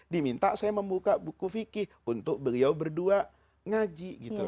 diminta saya membuka buku fikih untuk beliau berdua ngaji gitu